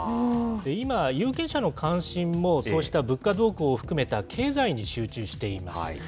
今、有権者の関心もそうした物価動向を含めた経済に集中しています。